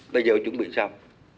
bây giờ chuẩn bị sao